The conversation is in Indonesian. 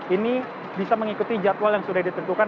ini bisa mengikuti jadwal yang sudah ditentukan